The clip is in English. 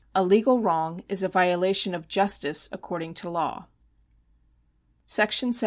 A legal wrong is a violation of justice according to law. § 71.